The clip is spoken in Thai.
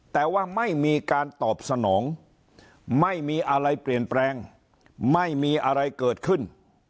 แต่ว่าไม่มีการตอบสนองไม่มีอะไรเปลี่ยนแปลงไม่มีอะไรเกิดขึ้น